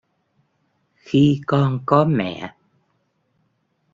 Khi con có mẹ